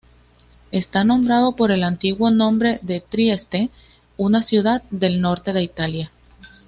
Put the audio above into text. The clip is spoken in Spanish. Está nombrado por el antiguo nombre de Trieste, una ciudad del norte de Italia.